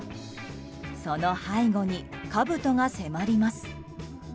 その背後にかぶとが迫ります。